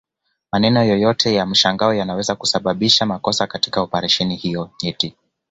Maneno yoyote ya mshangao yanaweza kusababisha makosa katika operesheni hiyo nyeti